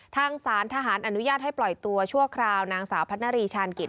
ทางศาลทหารอนุญาตให้ปล่อยตัวชั่วคราวนางสาวพัฒนารีชาญกิจ